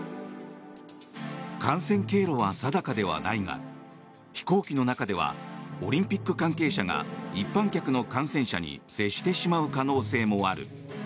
感染経路は定かではないが飛行機の中ではオリンピック関係者が一般客の感染者に接してしまう可能性もある。